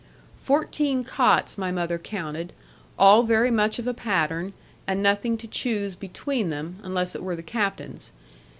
Fourteen cots my mother counted, all very much of a pattern, and nothing to choose between them, unless it were the captain's.